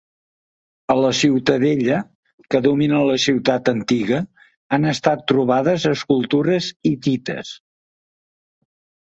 A la ciutadella, que domina la ciutat antiga, han estat trobades escultures hitites.